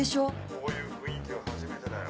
こういう雰囲気は初めてだよ。